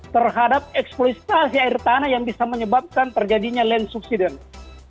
terhadap eksploitasi air tanah yang bisa menyebabkan terjadinya land subsidence